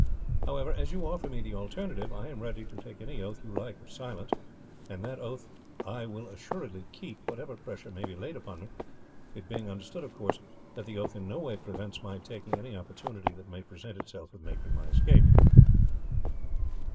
However as you offer me the alternative I am ready to take any oath you like of silence, and that oath I will assuredly keep whatever pressure may be laid upon me, it being understood of course that the oath in no way prevents my taking any opportunity that may present itself of making my escape."